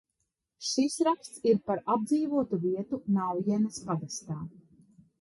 Šis raksts ir par apdzīvotu vietu Naujenes pagastā.